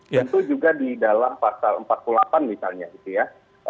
tentu juga di dalam pasal empat puluh delapan misalnya gitu ya